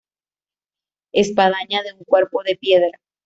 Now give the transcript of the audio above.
Espadaña de un cuerpo de piedra.